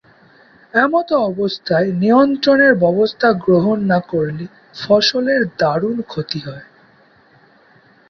এমতাবস্থায় নিয়ন্ত্রণের ব্যবস্থা গ্রহণ না করলে ফসলের দারুণ ক্ষতি হয়।